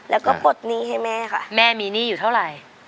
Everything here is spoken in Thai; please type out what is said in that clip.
แล้วก็ปลดหนี้ให้แม่ค่ะแม่มีหนี้อยู่เท่าไหร่